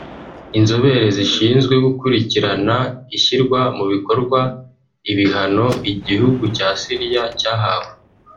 Inzobere zishinzwe gukurikirana ishyirwa mu bikorwa ibihano igihugu cya Syria cyahawe